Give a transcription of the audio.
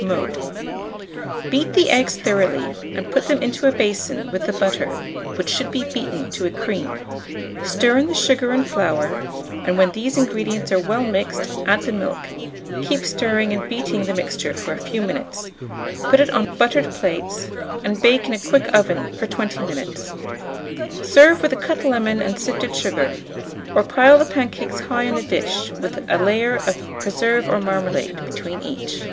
Mode. Beat the eggs thoroughly, and put them into a basin with the butter, which should be beaten to a cream; stir in the sugar and flour, and when these ingredients are well mixed, add the milk; keep stirring and beating the mixture for a few minutes; put it on buttered plates, and bake in a quick oven for 20 minutes. Serve with a cut lemon and sifted sugar, or pile the pancakes high on a dish, with a layer of preserve or marmalade between each.